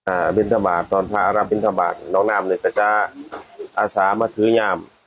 บินทบาทตอนพระอารามบินทบาทน้องนามเนี่ยก็จะอาสามาถือยาม